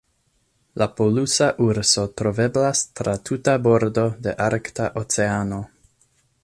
La polusa urso troveblas tra tuta bordo de Arkta Oceano.